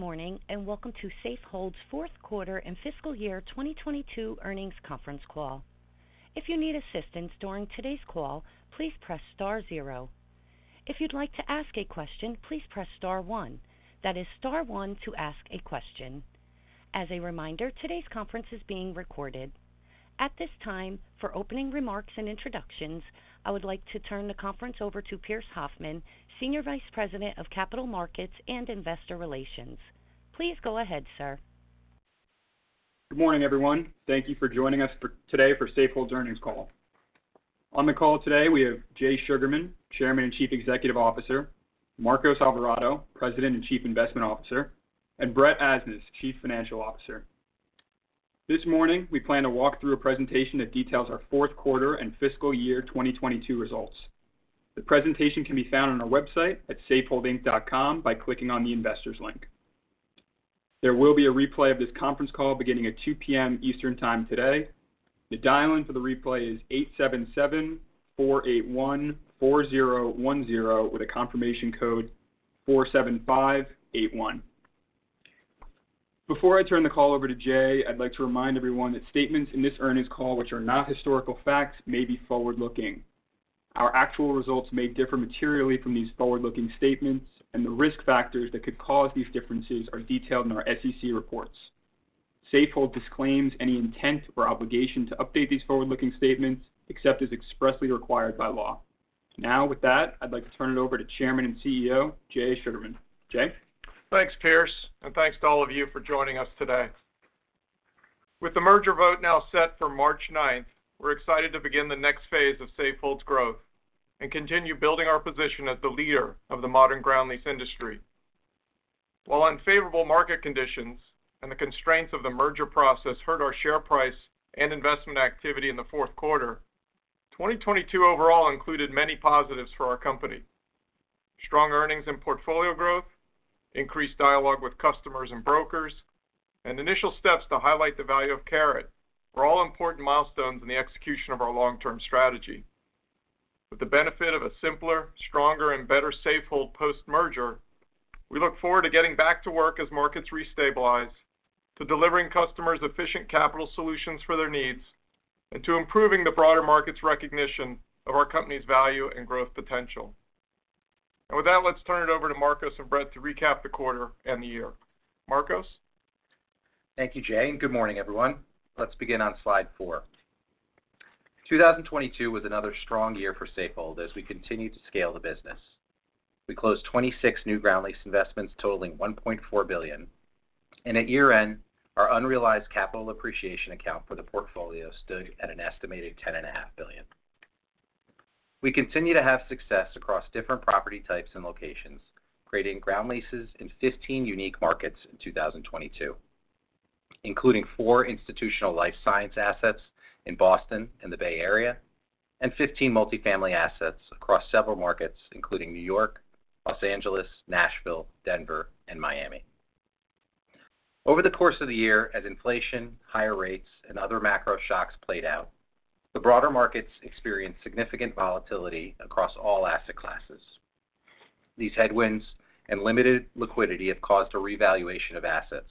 Good morning, welcome to Safehold's fourth quarter and fiscal year 2022 earnings conference call. If you need assistance during today's call, please press star zero. If you'd like to ask a question, please press star one. That is star one to ask a question. As a reminder, today's conference is being recorded. At this time, for opening remarks and introductions, I would like to turn the conference over to Pearse Hoffmann, Senior Vice President of Capital Markets and Investor Relations. Please go ahead, sir. Good morning, everyone. Thank you for joining us today for Safehold's earnings call. On the call today, we have Jay Sugarman, Chairman and Chief Executive Officer, Marcos Alvarado, President and Chief Investment Officer, and Brett Asnas, Chief Financial Officer. This morning, we plan to walk through a presentation that details our fourth quarter and fiscal year 2022 results. The presentation can be found on our website at safeholdinc.com by clicking on the Investors link. There will be a replay of this conference call beginning at 2:00 P.M. Eastern Time today. The dial-in for the replay is 877-481-4010 with a confirmation code 47581. Before I turn the call over to Jay, I'd like to remind everyone that statements in this earnings call which are not historical facts may be forward-looking. Our actual results may differ materially from these forward-looking statements. The risk factors that could cause these differences are detailed in our SEC reports. Safehold disclaims any intent or obligation to update these forward-looking statements except as expressly required by law. With that, I'd like to turn it over to Chairman and CEO, Jay Sugarman. Jay. Thanks, Pearse, thanks to all of you for joining us today. With the merger vote now set for March 9, we're excited to begin the next phase of Safehold's growth and continue building our position as the leader of the modern ground lease industry. While unfavorable market conditions and the constraints of the merger process hurt our share price and investment activity in the fourth quarter, 2022 overall included many positives for our company. Strong earnings and portfolio growth, increased dialogue with customers and brokers, and initial steps to highlight the value of Caret were all important milestones in the execution of our long-term strategy. With the benefit of a simpler, stronger, and better Safehold post-merger, we look forward to getting back to work as markets restabilize, to delivering customers efficient capital solutions for their needs, and to improving the broader market's recognition of our company's value and growth potential. With that, let's turn it over to Marcos and Brett to recap the quarter and the year. Marcos? Thank you, Jay. Good morning, everyone. Let's begin on slide four. 2022 was another strong year for Safehold as we continued to scale the business. We closed 26 new ground lease investments totaling $1.4 billion. At year-end, our unrealized capital appreciation account for the portfolio stood at an estimated $10.5 billion. We continue to have success across different property types and locations, creating ground leases in 15 unique markets in 2022, including four institutional life science assets in Boston and the Bay Area, 15 multi-family assets across several markets, including New York, Los Angeles, Nashville, Denver, and Miami. Over the course of the year, as inflation, higher rates, and other macro shocks played out, the broader markets experienced significant volatility across all asset classes. These headwinds and limited liquidity have caused a revaluation of assets,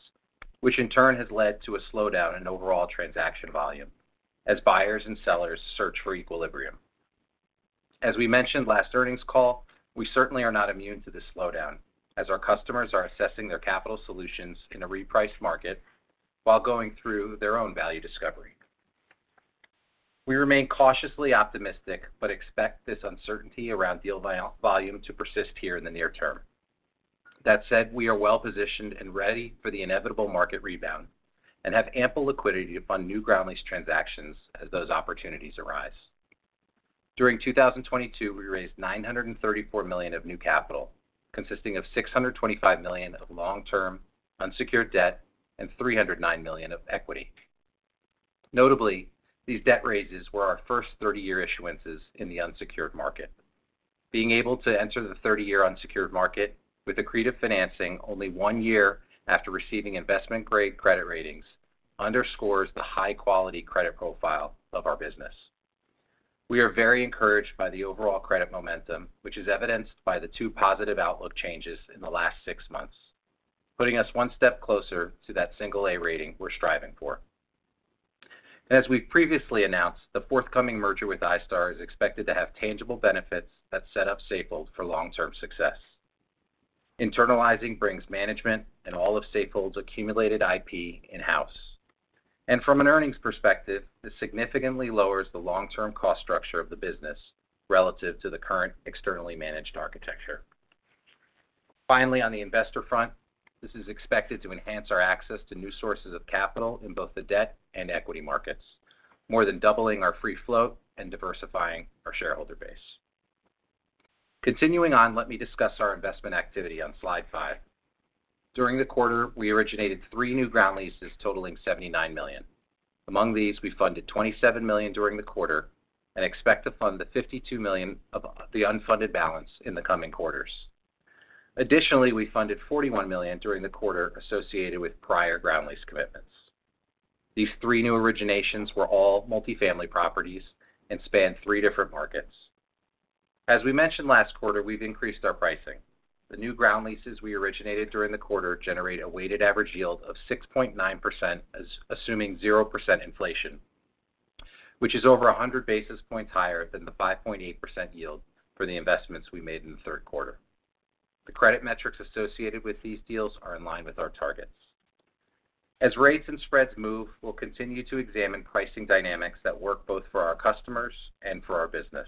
which in turn has led to a slowdown in overall transaction volume as buyers and sellers search for equilibrium. As we mentioned last earnings call, we certainly are not immune to this slowdown as our customers are assessing their capital solutions in a repriced market while going through their own value discovery. We remain cautiously optimistic but expect this uncertainty around deal volume to persist here in the near term. That said, we are well positioned and ready for the inevitable market rebound and have ample liquidity to fund new ground lease transactions as those opportunities arise. During 2022, we raised $934 million of new capital, consisting of $625 million of long-term unsecured debt and $309 million of equity. Notably, these debt raises were our first 30-year issuances in the unsecured market. Being able to enter the 30-year unsecured market with accretive financing only 1 year after receiving investment-grade credit ratings underscores the high-quality credit profile of our business. We are very encouraged by the overall credit momentum, which is evidenced by the two positive outlook changes in the last six months, putting us one step closer to that single A rating we're striving for. As we've previously announced, the forthcoming merger with iSTAR is expected to have tangible benefits that set up Safehold for long-term success. Internalizing brings management and all of Safehold's accumulated IP in-house. From an earnings perspective, this significantly lowers the long-term cost structure of the business relative to the current externally managed architecture. Finally, on the investor front, this is expected to enhance our access to new sources of capital in both the debt and equity markets, more than doubling our free float and diversifying our shareholder base. Continuing on, let me discuss our investment activity on slide five. During the quarter, we originated three new ground leases totaling $79 million. Among these, we funded $27 million during the quarter and expect to fund the $52 million of the unfunded balance in the coming quarters. Additionally, we funded $41 million during the quarter associated with prior ground lease commitments. These three new originations were all multi-family properties and span three different markets. As we mentioned last quarter, we've increased our pricing. The new ground leases we originated during the quarter generate a weighted average yield of 6.9% assuming 0% inflation, which is over 100 basis points higher than the 5.8% yield for the investments we made in the third quarter. The credit metrics associated with these deals are in line with our targets. As rates and spreads move, we'll continue to examine pricing dynamics that work both for our customers and for our business.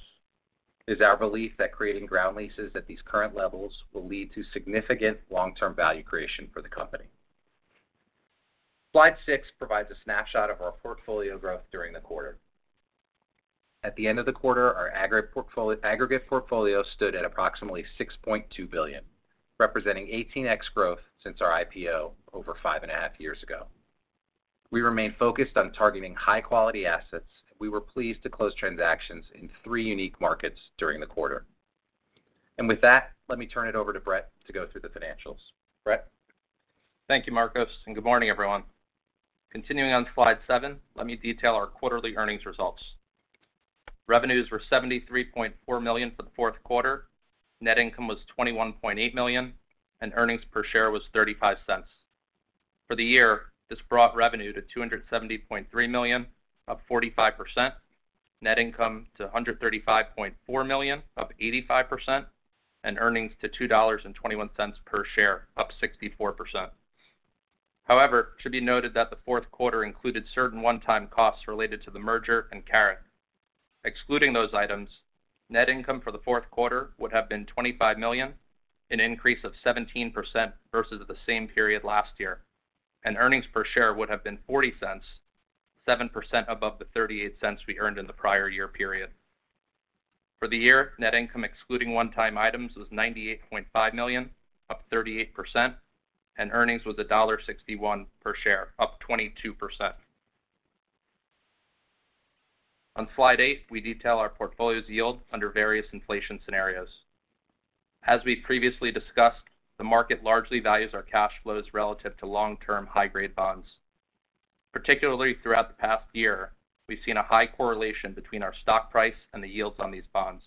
It is our belief that creating ground leases at these current levels will lead to significant long-term value creation for the company. Slide six provides a snapshot of our portfolio growth during the quarter. At the end of the quarter, our aggregate portfolio stood at approximately $6.2 billion, representing 18x growth since our IPO over 5.5 years ago. We remain focused on targeting high-quality assets. We were pleased to close transactions in three unique markets during the quarter. With that, let me turn it over to Brett to go through the financials. Brett? Thank you, Marcos, and good morning, everyone. Continuing on slide seven, let me detail our quarterly earnings results. Revenues were $73.4 million for the fourth quarter. Net income was $21.8 million, and earnings per share was $0.35. For the year, this brought revenue to $270.3 million, up 45%. Net income to $135.4 million, up 85%, and earnings to $2.21 per share, up 64%. However, it should be noted that the fourth quarter included certain one-time costs related to the merger and Caret. Excluding those items, net income for the fourth quarter would have been $25 million, an increase of 17% versus the same period last year, and earnings per share would have been $0.40, 7% above the $0.38 we earned in the prior year period. For the year, net income excluding one-time items was $98.5 million, up 38%, and earnings was $1.61 per share, up 22%. On slide eight, we detail our portfolio's yield under various inflation scenarios. As we've previously discussed, the market largely values our cash flows relative to long-term high-grade bonds. Particularly throughout the past year, we've seen a high correlation between our stock price and the yields on these bonds.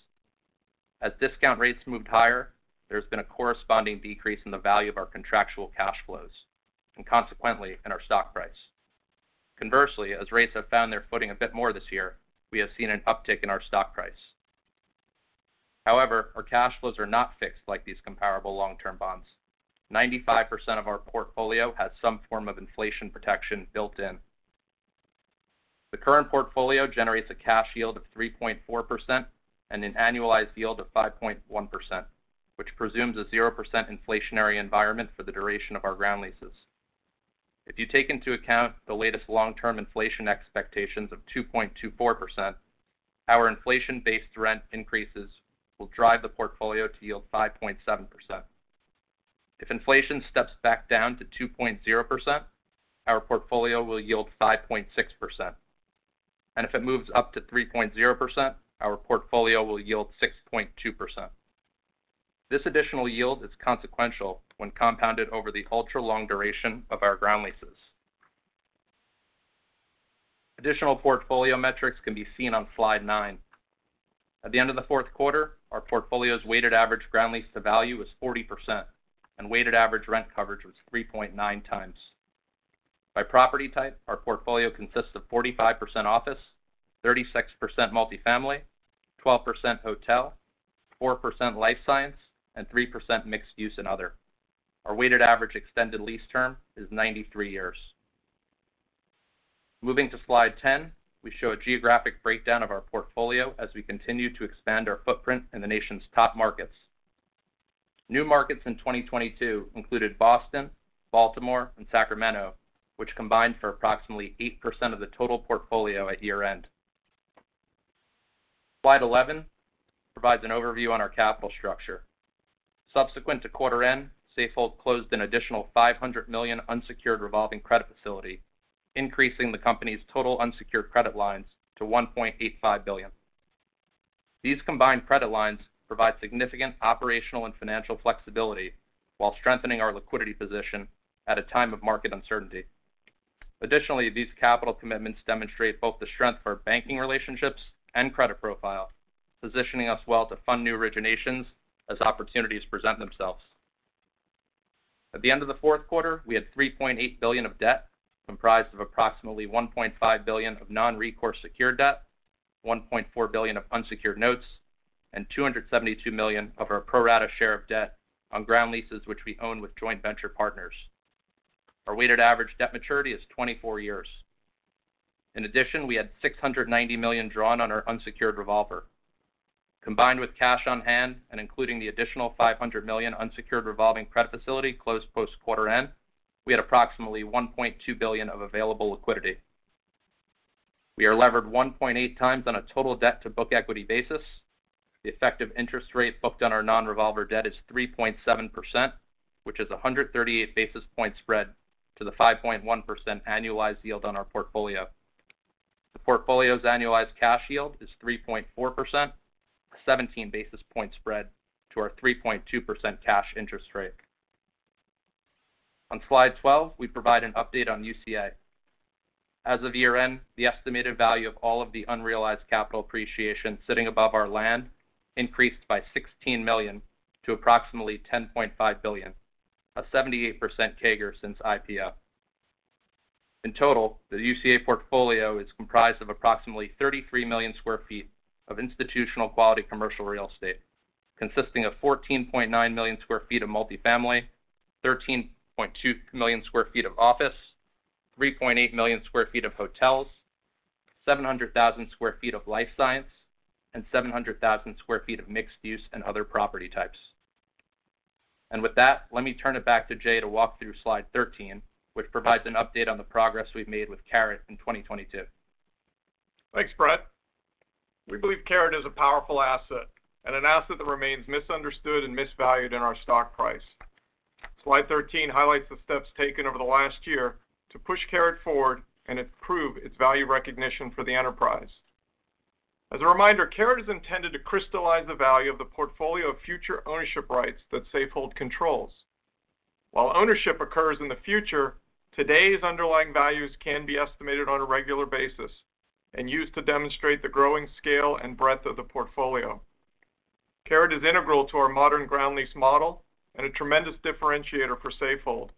As discount rates moved higher, there's been a corresponding decrease in the value of our contractual cash flows, and consequently, in our stock price. Conversely, as rates have found their footing a bit more this year, we have seen an uptick in our stock price. However, our cash flows are not fixed like these comparable long-term bonds. 95% of our portfolio has some form of inflation protection built in. The current portfolio generates a cash yield of 3.4% and an annualized yield of 5.1%, which presumes a 0% inflationary environment for the duration of our ground leases. If you take into account the latest long-term inflation expectations of 2.24%, our inflation-based rent increases will drive the portfolio to yield 5.7%. If inflation steps back down to 2.0%, our portfolio will yield 5.6%. If it moves up to 3.0%, our portfolio will yield 6.2%. This additional yield is consequential when compounded over the ultra-long duration of our ground leases. Additional portfolio metrics can be seen on slide 9. At the end of the fourth quarter, our portfolio's weighted average Ground Lease-to-Value was 40%, and weighted average rent coverage was 3.9 times. By property type, our portfolio consists of 45% office, 36% multifamily, 12% hotel, 4% life science, and 3% mixed use and other. Our weighted average extended lease term is 93 years. Moving to slide 10, we show a geographic breakdown of our portfolio as we continue to expand our footprint in the nation's top markets. New markets in 2022 included Boston, Baltimore, and Sacramento, which combined for approximately 8% of the total portfolio at year-end. Slide 11 provides an overview on our capital structure. Subsequent to quarter-end, Safehold closed an additional $500 million unsecured revolving credit facility, increasing the company's total unsecured credit lines to $1.85 billion. These combined credit lines provide significant operational and financial flexibility while strengthening our liquidity position at a time of market uncertainty. These capital commitments demonstrate both the strength of our banking relationships and credit profile, positioning us well to fund new originations as opportunities present themselves. At the end of the fourth quarter, we had $3.8 billion of debt, comprised of approximately $1.5 billion of non-recourse secured debt, $1.4 billion of unsecured notes, and $272 million of our pro-rata share of debt on ground leases which we own with joint venture partners. Our weighted average debt maturity is 24 years. In addition, we had $690 million drawn on our unsecured revolver. Combined with cash on hand and including the additional $500 million unsecured revolving credit facility closed post quarter end, we had approximately $1.2 billion of available liquidity. We are levered 1.8 times on a total debt to book equity basis. The effective interest rate booked on our non-revolver debt is 3.7%, which is a 138 basis point spread to the 5.1% annualized yield on our portfolio. The portfolio's annualized cash yield is 3.4%, a 17 basis point spread to our 3.2% cash interest rate. On slide 12, we provide an update on UCA. As of year-end, the estimated value of all of the unrealized capital appreciation sitting above our land increased by $16 million to approximately $10.5 billion, a 78% CAGR since IPO. In total, the UCA portfolio is comprised of approximately 33 million sq ft of institutional quality commercial real estate, consisting of 14.9 million sq ft of multifamily, 13.2 million sq ft of office, 3.8 million sq ft of hotels, 700,000 sq ft of life science, and 700,000 sq ft of mixed use and other property types. With that, let me turn it back to Jay to walk through slide 13, which provides an update on the progress we've made with Caret in 2022. Thanks, Brett. We believe Caret is a powerful asset and an asset that remains misunderstood and misvalued in our stock price. Slide 13 highlights the steps taken over the last year to push Caret forward and improve its value recognition for the enterprise. As a reminder, Caret is intended to crystallize the value of the portfolio of future ownership rights that Safehold controls. While ownership occurs in the future, today's underlying values can be estimated on a regular basis and used to demonstrate the growing scale and breadth of the portfolio. Caret is integral to our modern ground lease model and a tremendous differentiator for Safehold.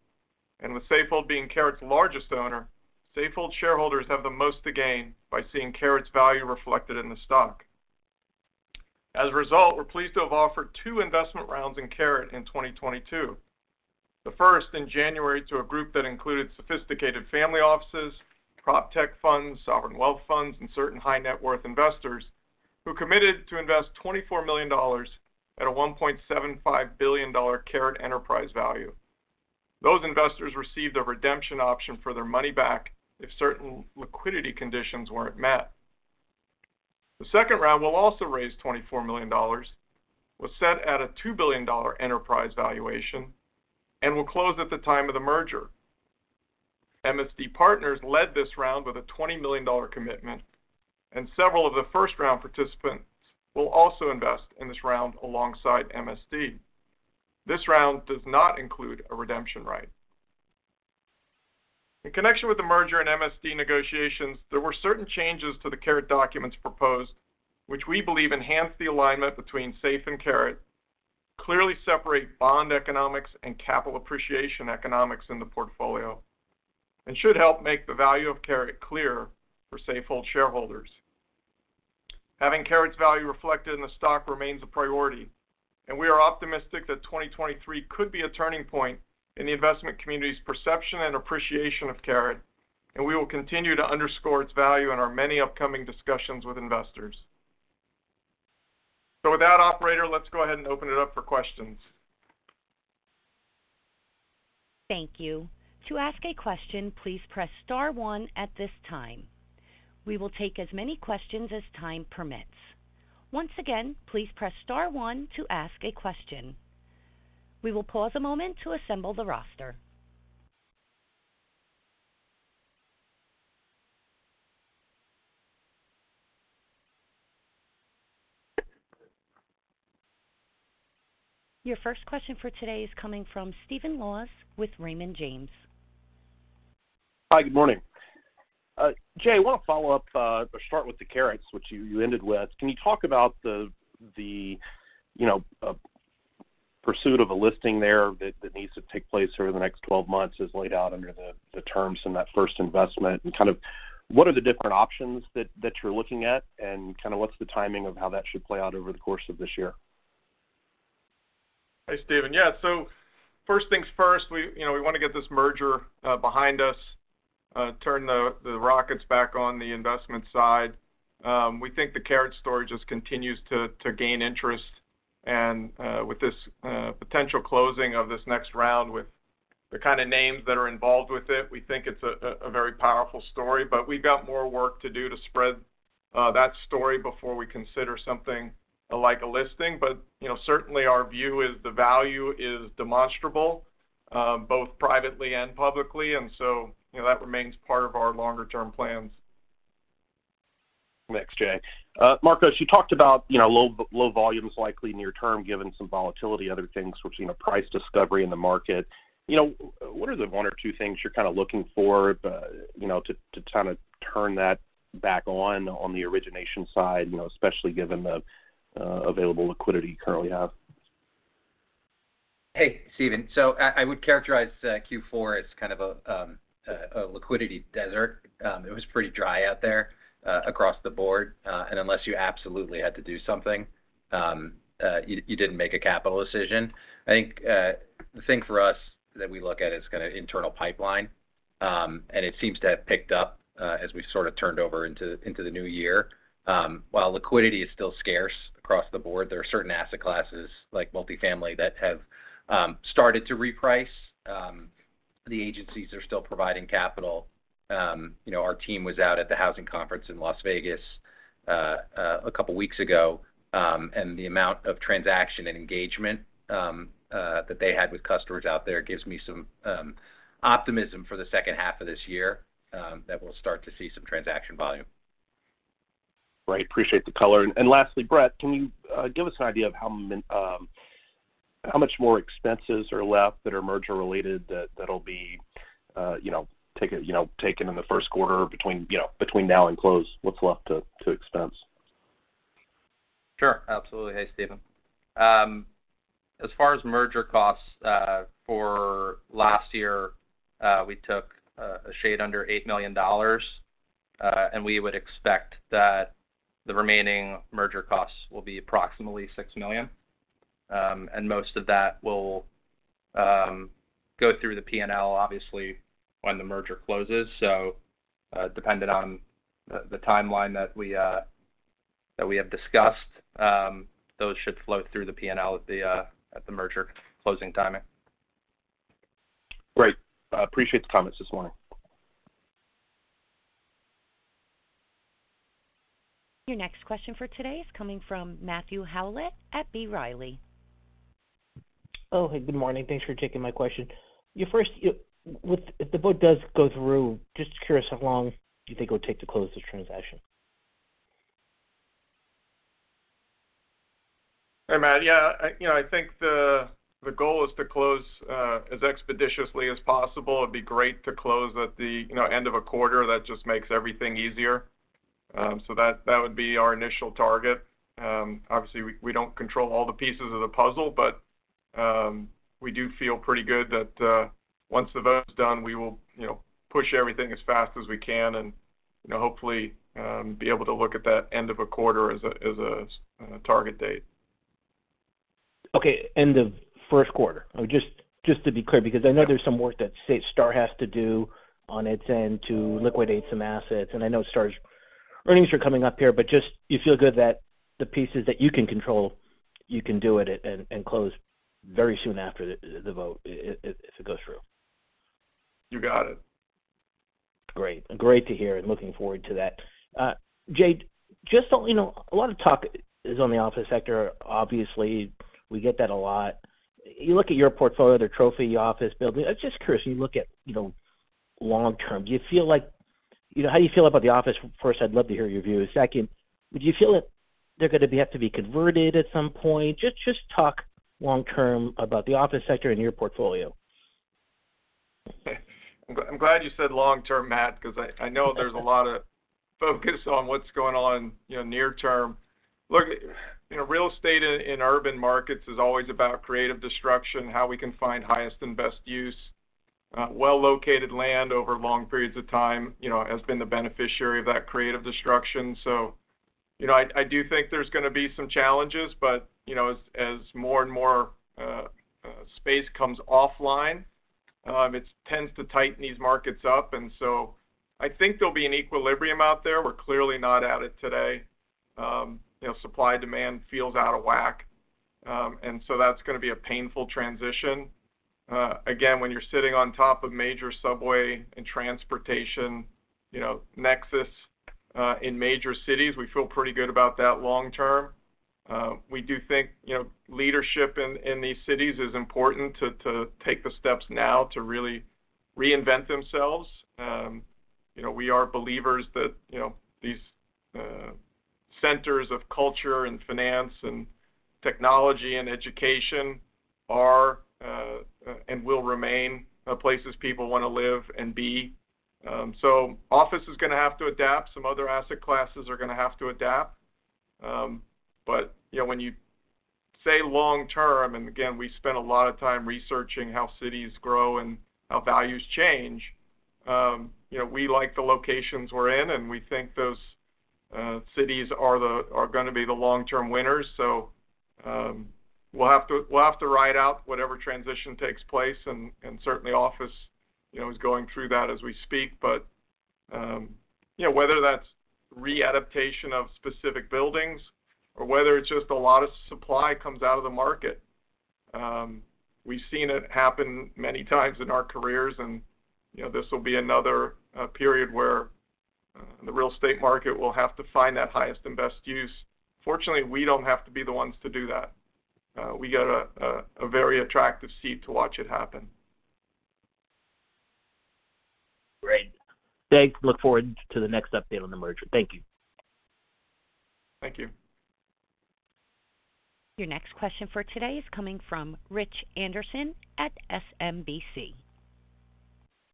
With Safehold being Caret's largest owner, Safehold shareholders have the most to gain by seeing Caret's value reflected in the stock. As a result, we're pleased to have offered two investment rounds in Caret in 2022. The first in January to a group that included sophisticated family offices, PropTech funds, sovereign wealth funds, and certain high net worth investors who committed to invest $24 million at a $1.75 billion Caret enterprise value. Those investors received a redemption option for their money back if certain liquidity conditions weren't met. The second round will also raise $24 million, was set at a $2 billion enterprise valuation, and will close at the time of the merger. MSD Partners led this round with a $20 million commitment, and several of the first round participants will also invest in this round alongside MSD. This round does not include a redemption right. In connection with the merger and MSD negotiations, there were certain changes to the Caret documents proposed, which we believe enhance the alignment between SAFE and Caret, clearly separate bond economics and capital appreciation economics in the portfolio, and should help make the value of Caret clearer for Safehold shareholders. Having Caret's value reflected in the stock remains a priority, and we are optimistic that 2023 could be a turning point in the investment community's perception and appreciation of Caret, and we will continue to underscore its value in our many upcoming discussions with investors. With that, operator, let's go ahead and open it up for questions. Thank you. To ask a question, please press star one at this time. We will take as many questions as time permits. Once again, please press star one to ask a question. We will pause a moment to assemble the roster. Your first question for today is coming from Stephen Laws with Raymond James. Hi. Good morning. Jay, I want to follow up or start with the Carets, which you ended with. Can you talk about the, you know, pursuit of a listing there that needs to take place over the next 12 months as laid out under the terms in that first investment, and kind of what are the different options that you're looking at, and kind of what's the timing of how that should play out over the course of this year? Hey, Stephen. Yeah. First things first, we, you know, we want to get this merger behind us, turn the rockets back on the investment side. We think the Caret story just continues to gain interest. With this potential closing of this next round with the kind of names that are involved with it, we think it's a very powerful story. We've got more work to do to spread that story before we consider something like a listing. You know, certainly our view is the value is demonstrable, both privately and publicly. You know, that remains part of our longer term plans. Thanks, Jay. Marcos, you talked about, you know, low volumes likely near term, given some volatility, other things, which, you know, price discovery in the market. You know, what are the one or two things you're kind of looking for, you know, to kind of turn that back on the origination side, you know, especially given the available liquidity you currently have? Hey, Stephen. I would characterize Q4 as kind of a liquidity desert. It was pretty dry out there across the board, unless you absolutely had to do something, you didn't make a capital decision. I think the thing for us that we look at is kind of internal pipeline, it seems to have picked up as we sort of turned over into the new year. While liquidity is still scarce across the board, there are certain asset classes like multifamily that have started to reprice. The agencies are still providing capital. You know, our team was out at the housing conference in Las Vegas, a couple weeks ago, and the amount of transaction and engagement that they had with customers out there gives me some optimism for the second half of this year, that we'll start to see some transaction volume. Right. Appreciate the color. Lastly, Brett, can you give us an idea of how much more expenses are left that are merger related that'll be, you know, taken, you know, taken in the first quarter between, you know, between now and close, what's left to expense? Sure. Absolutely. Hey, Stephen. As far as merger costs for last year, we took a shade under $8 million. We would expect that the remaining merger costs will be approximately $6 million. Most of that will go through the P&L, obviously, when the merger closes. Dependent on the timeline that we have discussed, those should flow through the P&L at the merger closing timing. Great. I appreciate the comments this morning. Your next question for today is coming from Matthew Howlett at B. Riley. Oh, hey, good morning. Thanks for taking my question. If the vote does go through, just curious how long do you think it would take to close this transaction? Hey, Matt. Yeah, I, you know, I think the goal is to close as expeditiously as possible. It'd be great to close at the, you know, end of a quarter. That just makes everything easier. That, that would be our initial target. Obviously, we don't control all the pieces of the puzzle, but we do feel pretty good that once the vote is done, we will, you know, push everything as fast as we can and you know, hopefully, be able to look at that end of a quarter as a target date. Okay. End of first quarter? Just to be clear, because I know there's some work that Star has to do on its end to liquidate some assets, I know Star's earnings are coming up here, just, you feel good that the pieces that you can control, you can do it and close very soon after the vote if it goes through? You got it. Great. Great to hear. Looking forward to that. Jay, just on, you know, a lot of talk is on the office sector. Obviously, we get that a lot. You look at your portfolio, the trophy office building. I'm just curious, you look at, you know, long term, do you feel like, you know, how do you feel about the office? First, I'd love to hear your view. Second, do you feel that they're gonna have to be converted at some point? Just talk long term about the office sector in your portfolio. I'm glad you said long term, Matt, because I know there's a lot of focus on what's going on, you know, near term. Look, you know, real estate in urban markets is always about creative destruction, how we can find highest and best use. Well-located land over long periods of time, you know, has been the beneficiary of that creative destruction. I do think there's gonna be some challenges, but, you know, as more and more space comes offline, it tends to tighten these markets up. I think there'll be an equilibrium out there. We're clearly not at it today. You know, supply-demand feels out of whack. That's gonna be a painful transition. Again, when you're sitting on top of major subway and transportation, you know, nexus in major cities, we feel pretty good about that long term. We do think, you know, leadership in these cities is important to take the steps now to really reinvent themselves. You know, we are believers that, you know, these centers of culture and finance and technology and education are and will remain places people wanna live and be. So office is gonna have to adapt. Some other asset classes are gonna have to adapt. But, you know, when you say long term, and again, we spend a lot of time researching how cities grow and how values change, you know, we like the locations we're in, and we think those cities are gonna be the long-term winners. We'll have to ride out whatever transition takes place, and certainly office, you know, is going through that as we speak. You know, whether that's readaptation of specific buildings or whether it's just a lot of supply comes out of the market, we've seen it happen many times in our careers. You know, this will be another period where the real estate market will have to find that highest and best use. Fortunately, we don't have to be the ones to do that. We got a very attractive seat to watch it happen. Great. Jade, look forward to the next update on the merger. Thank you. Thank you. Your next question for today is coming from Rich Anderson at SMBC.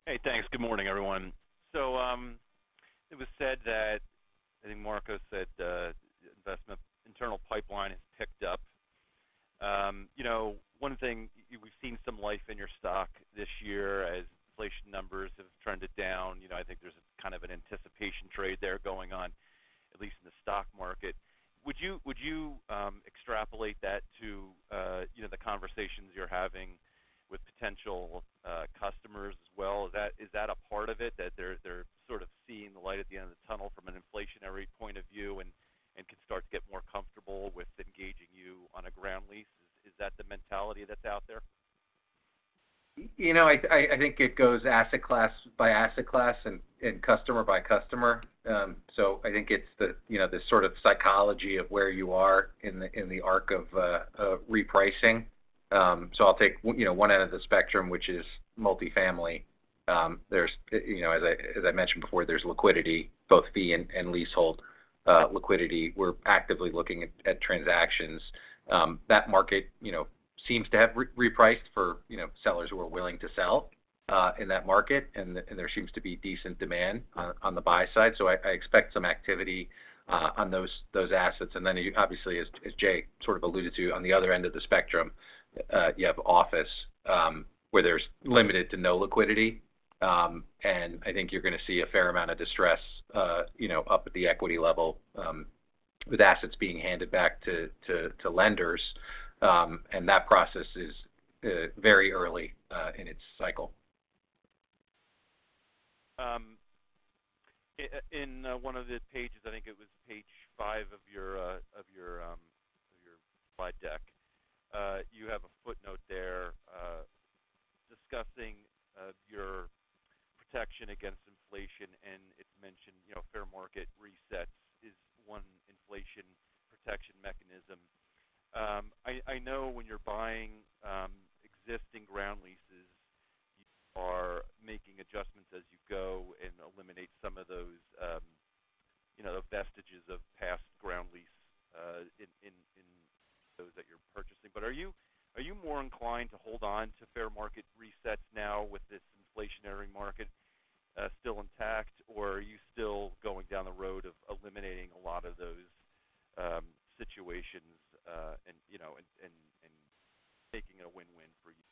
Hey, thanks. Good morning, everyone. It was said that, I think Marco said, the investment internal pipeline has picked up. You know, one thing, we've seen some life in your stock this year as inflation numbers have trended down. You know, I think there's kind of an anticipation trade there going on, at least in the stock market. Would you, would you extrapolate that to, you know, the conversations you're having with potential customers as well? Is that a part of it, that they're sort of seeing the light at the end of the tunnel from an inflationary point of view and can start to get more comfortable with engaging you on a ground lease? Is that the mentality that's out there? You know, I think it goes asset class by asset class and customer by customer. I think it's the, you know, the sort of psychology of where you are in the arc of repricing. I'll take, you know, one end of the spectrum, which is multifamily. There's, you know, as I mentioned before, there's liquidity, both fee and leasehold liquidity. We're actively looking at transactions. That market, you know, seems to have repriced for, you know, sellers who are willing to sell in that market, and there seems to be decent demand on the buy side. I expect some activity on those assets. Obviously, as Jay sort of alluded to, on the other end of the spectrum, you have office, where there's limited to no liquidity. I think you're gonna see a fair amount of distress, you know, up at the equity level, with assets being handed back to lenders, and that process is very early in its cycle. In one of the pages, I think it was page five of your slide deck, you have a footnote there, discussing your protection against inflation, and it mentioned, you know, fair market resets is one inflation protection mechanism. I know when you're buying existing ground leases, you are making adjustments as you go and eliminate some of those, you know, vestiges of past ground lease in those that you're purchasing. Are you more inclined to hold on to fair market resets now with this inflationary market still intact, or are you still going down the road of eliminating a lot of those situations, and, you know, and making it a win-win for you?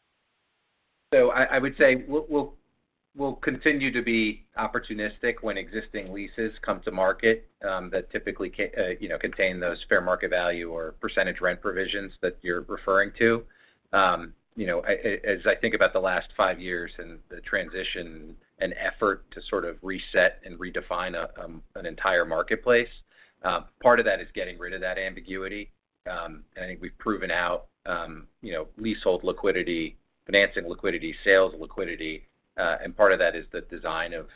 I would say we'll continue to be opportunistic when existing leases come to market, that typically, you know, contain those fair market value or percentage rent provisions that you're referring to. You know, as I think about the last five years and the transition and effort to sort of reset and redefine a an entire marketplace, part of that is getting rid of that ambiguity. I think we've proven out, you know, leasehold liquidity, financing liquidity, sales liquidity, and part of that is the design of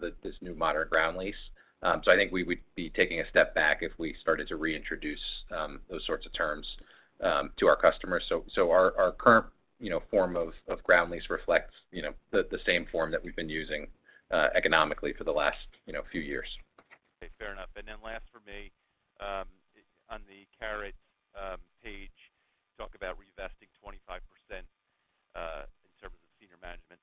the this new modern ground lease. I think we would be taking a step back if we started to reintroduce those sorts of terms to our customers. So our current, you know, form of Ground Lease reflects, you know, the same form that we've been using economically for the last, you know, few years. Okay. Fair enough. Last for me, on the Caret page, you talk about revesting 25% in terms of senior management.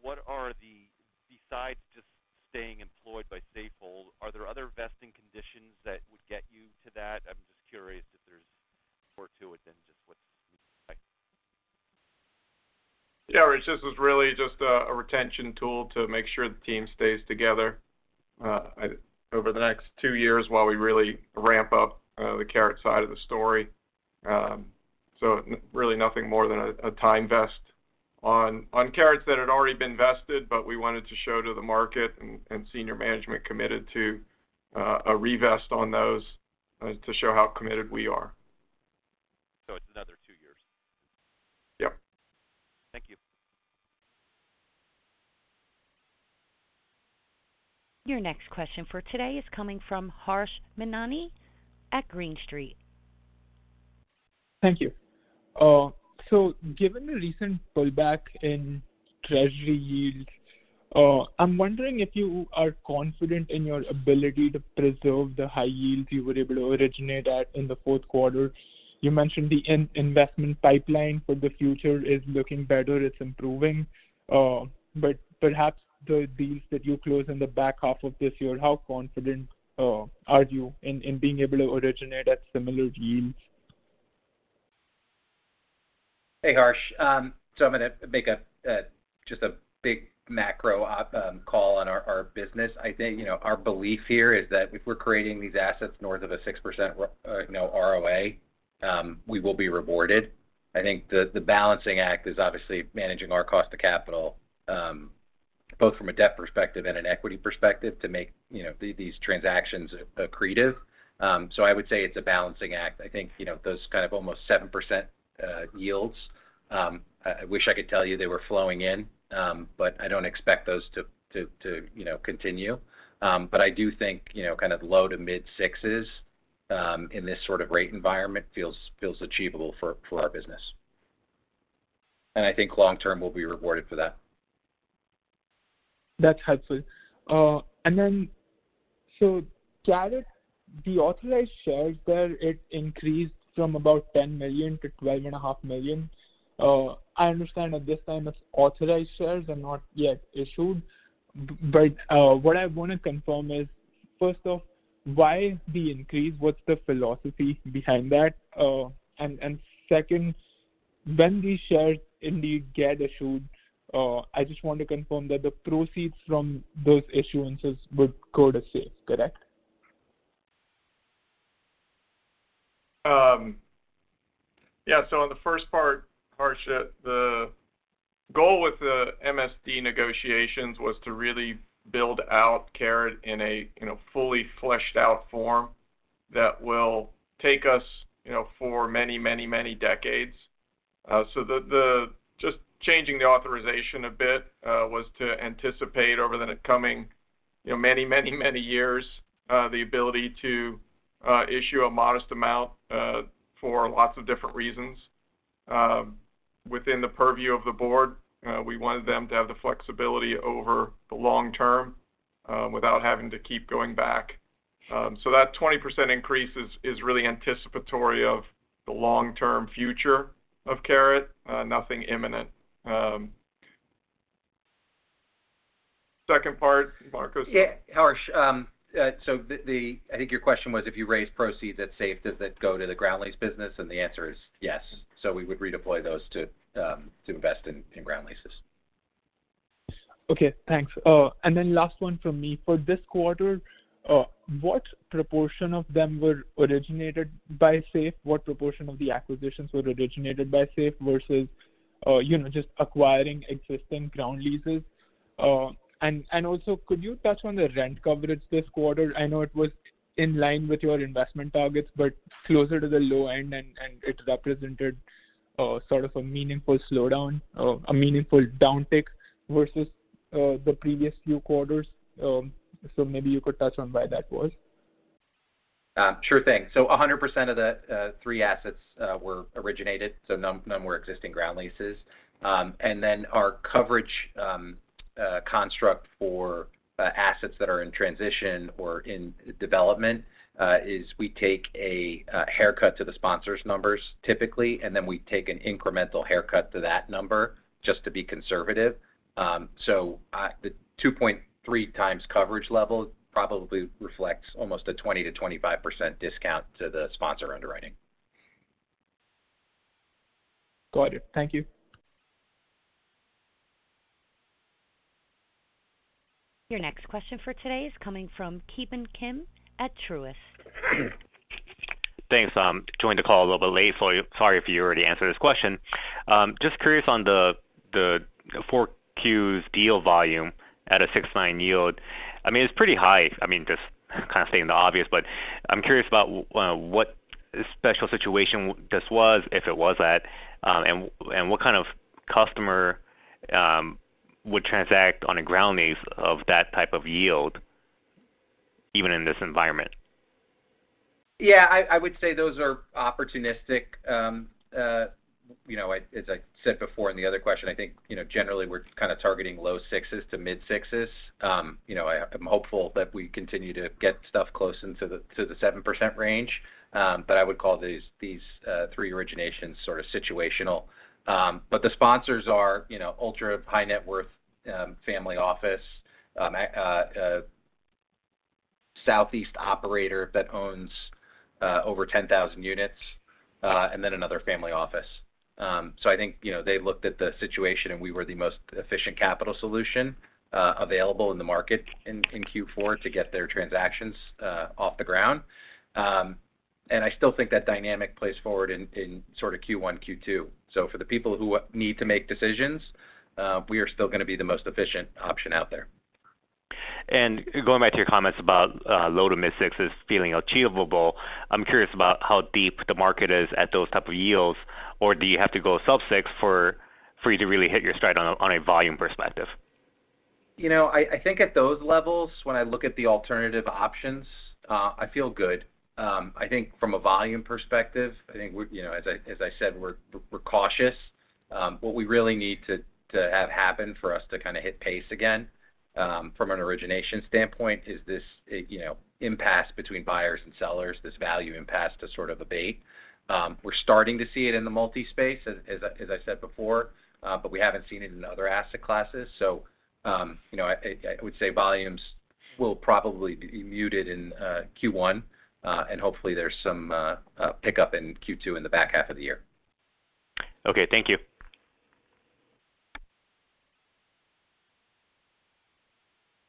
What are the besides just staying employed by Safehold, are there other vesting conditions that would get you to that? I'm just curious if there's more to it than just what it seems like. Yeah. It's just, it's really just a retention tool to make sure the team stays together, over the next two years while we really ramp up the Caret side of the story. Nothing more than a time vest on Caret that had already been vested, but we wanted to show to the market and senior management committed to a revest on those to show how committed we are. It's another two years. Yep. Thank you. Your next question for today is coming from Harsh Hemnani at Green Street. Thank you. Given the recent pullback in Treasury yields, I'm wondering if you are confident in your ability to preserve the high yields you were able to originate at in the fourth quarter. You mentioned the in-investment pipeline for the future is looking better, it's improving. Perhaps the deals that you close in the back half of this year, how confident are you in being able to originate at similar yields? Hey, Harsh. I'm gonna make just a big macro op call on our business. I think, you know, our belief here is that if we're creating these assets north of a 6% ROA, we will be rewarded. I think the balancing act is obviously managing our cost to capital, both from a debt perspective and an equity perspective to make, you know, these transactions accretive. I would say it's a balancing act. I think, you know, those kind of almost 7% yields, I wish I could tell you they were flowing in, but I don't expect those to, you know, continue. I do think, you know, kind of low to mid-6s in this sort of rate environment feels achievable for our business. I think long term, we'll be rewarded for that. That's helpful. Caret, the authorized shares there, it increased from about $10 million to $12.5 million. I understand at this time it's authorized shares and not yet issued. What I wanna confirm is, first off, why the increase? What's the philosophy behind that? Second, when these shares indeed get issued, I just want to confirm that the proceeds from those issuances would go to Safe, correct? Yeah. On the first part, Harsh, the goal with the MSD negotiations was to really build out Caret in a, you know, fully fleshed out form that will take us, you know, for many, many, many decades. just changing the authorization a bit, was to anticipate over the coming you know, many, many, many years, the ability to issue a modest amount for lots of different reasons within the purview of the board. We wanted them to have the flexibility over the long term without having to keep going back. That 20% increase is really anticipatory of the long-term future of Caret, nothing imminent. Second part, Marco. Yeah. Harsh, I think your question was if you raise proceeds at SAFE, does that go to the Ground Lease business? The answer is yes. We would redeploy those to invest in Ground Leases. Okay, thanks. Last one from me. For this quarter, what proportion of them were originated by SAFE? What proportion of the acquisitions were originated by SAFE versus, you know, just acquiring existing ground leases? Could you touch on the rent coverage this quarter? I know it was in line with your investment targets, but closer to the low end and it represented, sort of a meaningful slowdown or a meaningful downtick versus, the previous few quarters. Maybe you could touch on why that was. Sure thing. 100% of the three assets were originated, so none were existing ground leases. Our coverage construct for assets that are in transition or in development is we take a haircut to the sponsors numbers typically, and then we take an incremental haircut to that number just to be conservative. The 2.3 times coverage level probably reflects almost a 20%-25% discount to the sponsor underwriting. Got it. Thank you. Your next question for today is coming from Ki Bin Kim at Truist. Thanks. I'm joining the call a little bit late, so sorry if you already answered this question. Just curious on the 4Q's deal volume at a 6.9% yield. I mean, it's pretty high. I mean, just kind of stating the obvious, but I'm curious about what special situation this was, if it was that, and what kind of customer would transact on a ground lease of that type of yield even in this environment. I would say those are opportunistic, you know, as I said before in the other question, I think, you know, generally we're kind of targeting low 6s to mid 6s. You know, I'm hopeful that we continue to get stuff close into the, to the 7% range. I would call these three originations sort of situational. The sponsors are, you know, ultra-high net worth, family office, a southeast operator that owns, over 10,000 units, and then another family office. I think, you know, they looked at the situation and we were the most efficient capital solution, available in the market in Q4 to get their transactions, off the ground. I still think that dynamic plays forward in sort of Q1, Q2. for the people who need to make decisions, we are still gonna be the most efficient option out there. Going back to your comments about, low to mid 6s feeling achievable, I'm curious about how deep the market is at those type of yields, or do you have to go sub six for you to really hit your stride on a volume perspective. You know, I think at those levels, when I look at the alternative options, I feel good. I think from a volume perspective, I think we, you know, as I said, we're cautious. What we really need to have happen for us to kind of hit pace again, from an origination standpoint is this, you know, impasse between buyers and sellers, this value impasse to sort of abate. We're starting to see it in the multi space, as I said before, but we haven't seen it in other asset classes. You know, I would say volumes will probably be muted in Q1, and hopefully there's some pickup in Q2 in the back half of the year. Okay, thank you.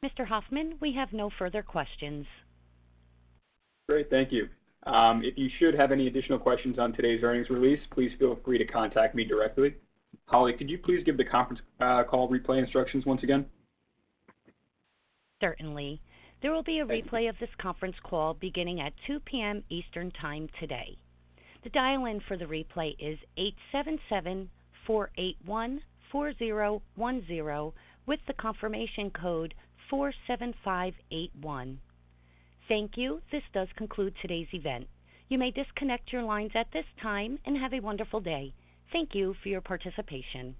Mr. Hoffmann, we have no further questions. Great. Thank you. If you should have any additional questions on today's earnings release, please feel free to contact me directly. Holly, could you please give the conference call replay instructions once again? Certainly. There will be a replay of this conference call beginning at 2:00 P.M. Eastern Time today. The dial-in for the replay is 877-481-4010, with the confirmation code 47581. Thank you. This does conclude today's event. You may disconnect your lines at this time, and have a wonderful day. Thank you for your participation.